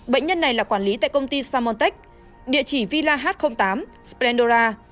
bệnh nhân này là quản lý tại công ty samontech địa chỉ villa h tám splendora